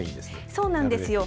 そうなんですよ。